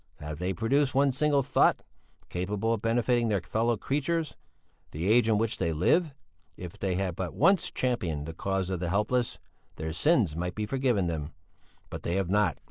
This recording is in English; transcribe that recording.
Have they produced one single thought, capable of benefiting their fellow creatures; the age in which they live? If they had but once championed the cause of the helpless, their sins might be forgiven them; but they have not.